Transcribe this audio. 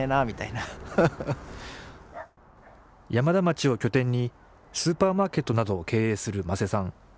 山田町を拠点にスーパーマーケットなどを経営する間瀬さん。